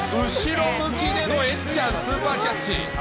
後ろ向きでのえっちゃんスーパーキャッチ。